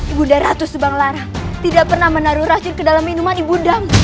ibunda ratu subang lara tidak pernah menaruh racun ke dalam minuman ibundamu